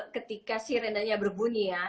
ketika sirenenya berbunyi ya